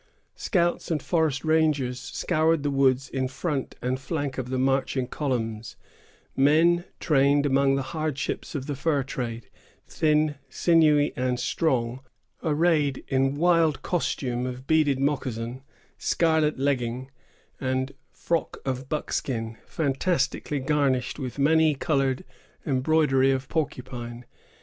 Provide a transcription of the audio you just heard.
Scouts and forest rangers scoured the woods in front and flank of the marching columns——men trained among the hardships of the fur trade, thin, sinewy, and strong, arrayed in wild costume of beaded moccason, scarlet leggin, and frock of buck skin, fantastically garnished with many colored embroidery of porcupine.